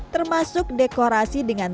termasuk dekorasi dengan